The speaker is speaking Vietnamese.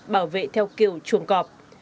bảo vệ theo kiểu chuồng cọp